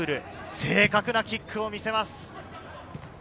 正確なキックを見せます。